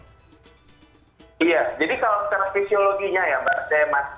iya jadi kalau secara fisiologinya ya mbak demas